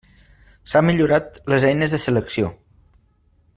S'ha millorat les eines de selecció.